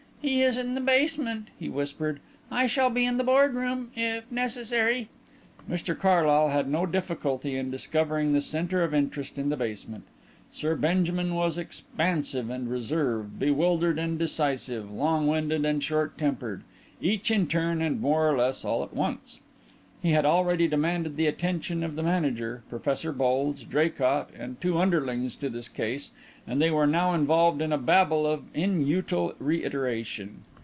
"He is in the basement," he whispered. "I shall be in the boardroom if necessary." Mr Carlyle had no difficulty in discovering the centre of interest in the basement. Sir Benjamin was expansive and reserved, bewildered and decisive, long winded and short tempered, each in turn and more or less all at once. He had already demanded the attention of the manager, Professor Bulge, Draycott and two underlings to his case and they were now involved in a babel of inutile reiteration.